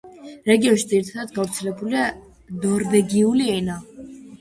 რეგიონში ძირითადად გავრცელებულია ნორვეგიული ენა.